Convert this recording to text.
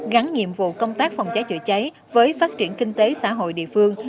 gắn nhiệm vụ công tác phòng cháy chữa cháy với phát triển kinh tế xã hội địa phương